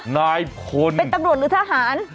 ห้อเป็นตำรวจหรือทหารนายคน